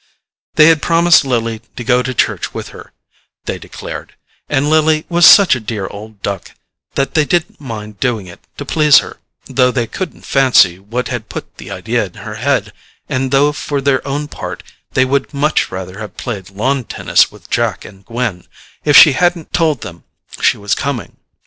They had promised Lily to go to church with her, they declared, and Lily was such a dear old duck that they didn't mind doing it to please her, though they couldn't fancy what had put the idea in her head, and though for their own part they would much rather have played lawn tennis with Jack and Gwen, if she hadn't told them she was coming.